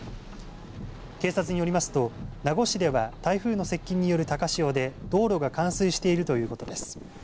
警察によりますと名護市では台風の接近による高潮で道路が冠水しているということです。